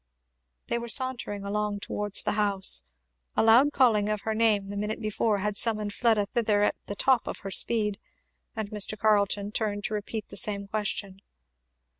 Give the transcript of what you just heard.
They were sauntering along towards the house. A loud calling of her name the minute before had summoned Fleda thither at the top of her speed; and Mr. Carleton turned to repeat the same question.